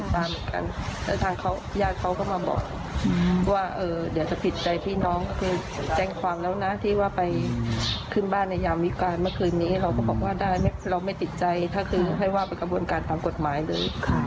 แปลงความแล้วนะที่ว่าไปขึ้นบ้านในยามวิการฯเมื่อคืนนี้เราก็บอกว่าได้นะเราไม่ติดใจทุกคู่ให้ว่าเป็นกระบวนการทำกฎหมายเลย